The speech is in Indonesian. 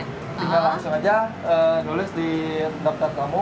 tinggal langsung aja nulis di daftar kamu